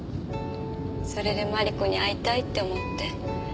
それでマリコに会いたいって思って。